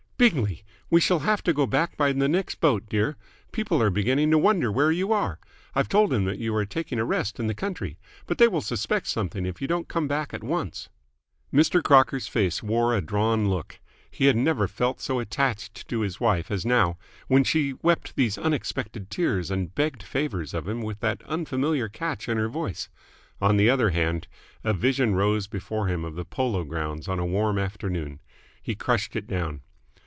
"Bingley! We shall have to go back by the next boat, dear. People are beginning to wonder where you are. I've told them that you are taking a rest in the country. But they will suspect something if you don't come back at once." Mr. Crocker's face wore a drawn look. He had never felt so attached to his wife as now, when she wept these unexpected tears and begged favours of him with that unfamiliar catch in her voice. On the other hand ... A vision rose before him of the Polo Grounds on a warm afternoon. ... He crushed it down.